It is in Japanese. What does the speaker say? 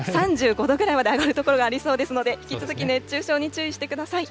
３５度くらいまで上がる所がありそうですので、引き続き熱中症に注意してください。